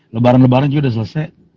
lebaran lebaran juga sudah selesai